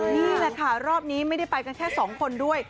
นี่แหละค่ะรอบนี้ไม่ได้ไปกันแค่สองคนด้วย